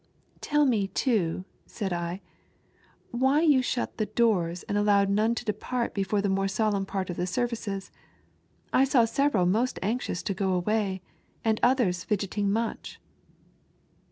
" Tell me too," said I, " why you shut the doors and allowed none to depart before the more solenm part of the services ? I saw several moat anxious to go away, and others fldgetting much."